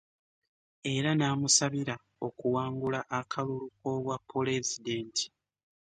Era n'amusabira okuwangula akalulu k'obwapulezidenti